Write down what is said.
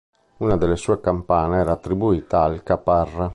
Una delle sue campane era attribuita al Caparra.